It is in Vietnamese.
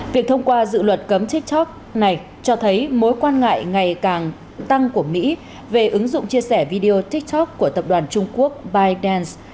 việc thông qua dự luật cấm tiktok này cho thấy mối quan ngại ngày càng tăng của mỹ về ứng dụng chia sẻ video tiktok của tập đoàn trung quốc bytedance